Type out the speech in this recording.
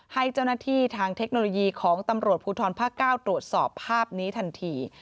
ให้เจ้าหน้าที่ทางเทคโนโลยีของตำรวจภูทรภาค๙ตรวจสอบภาพนี้ทันที